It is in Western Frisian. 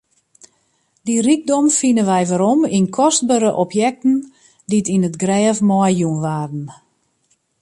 Dy rykdom fine wy werom yn kostbere objekten dy't yn it grêf meijûn waarden.